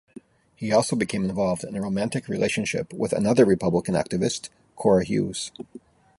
He also became involved in a romantic relationship with another republican activist, Cora Hughes.